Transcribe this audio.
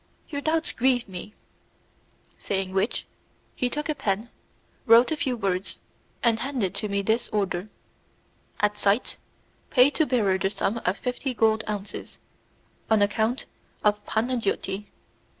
"Your doubts grieve me." Saying which, he took a pen, wrote a few words, and handed to me this order: "At sight, pay to bearer the sum of fifty gold ounces, on account of Panagiotti."